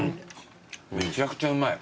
めちゃくちゃうまい。